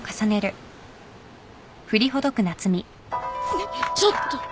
えっちょっと！